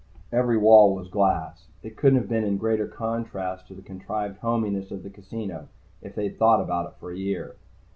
Every wall was glass. It couldn't have been in greater contrast to the contrived hominess of the casino if they'd thought about it for a year.